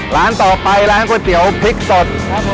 ร้านต่อไปร้านก๋วยเตี๋ยวพริกสดครับผม